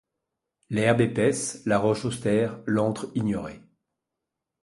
L'herbe épaisse, la roche austère, L'antre ignoré